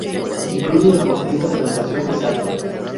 Incluye deportistas de natación y salto.